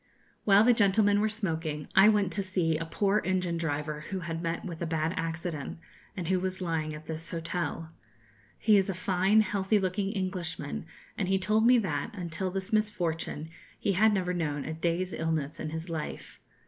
While the gentlemen were smoking, I went to see a poor engine driver who had met with a bad accident, and who was lying at this hotel. He is a fine healthy looking Englishman, and he told me that, until this misfortune, he had never known a day's illness in his life.